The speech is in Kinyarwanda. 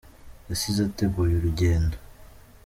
Yasize ateguye urugendo